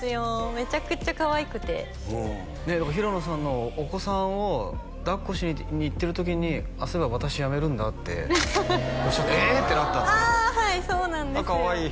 めちゃくちゃかわいくて平野さんのお子さんを抱っこしにいってる時に「あっそういえば私やめるんだ」っておっしゃって「えっ！？」ってなったってああはいそうなんですよ